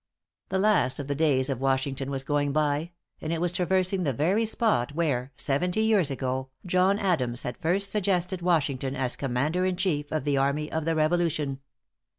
The last of the days of Washington was going by, and it was traversing the very spot, where, seventy years ago, John Adams had first suggested Washington as Commander in chief of the army of the Revolution.